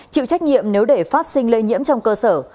chịu trách nhiệm nếu để phát sinh lây nhiễm trong cơ sở